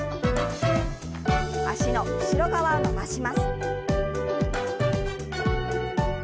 脚の後ろ側を伸ばします。